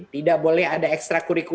tidak boleh ada ekstra kuriku